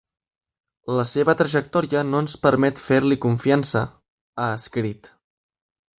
La seva trajectòria no ens permet fer-li confiança, ha escrit.